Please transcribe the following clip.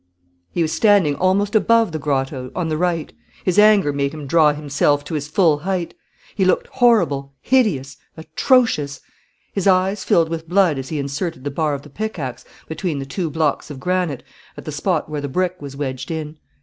He was standing almost above the grotto, on the right. His anger made him draw himself to his full height. He looked horrible, hideous, atrocious. His eyes filled with blood as he inserted the bar of the pickaxe between the two blocks of granite, at the spot where the brick was wedged in.